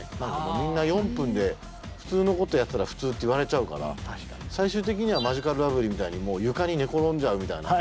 みんな４分で普通のことをやってたら普通って言われちゃうから最終的にはマヂカルラブリーみたいにもう床に寝転んじゃうみたいな。